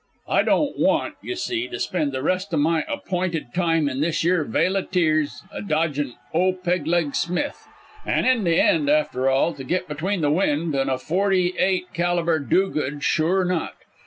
I don't want, you see, to spend the rest o' my appointed time in this yere vale o' tears a dodgin' o' Peg leg Smith, an' in the end, after all, to git between the wind and a forty eight caliber do good, sure not.